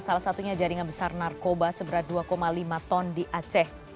salah satunya jaringan besar narkoba seberat dua lima ton di aceh